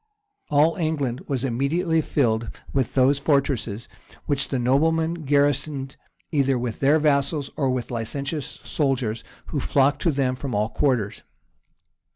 [] All England was immediately filled with those fortresses, which the noblemen garrisoned either with their vassals, or with licentious soldiers, who flocked to them from all quarters.